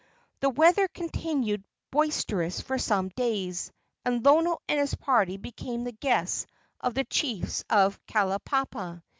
The weather continued boisterous for some days, and Lono and his party became the guests of the chiefs of Kalaupapa.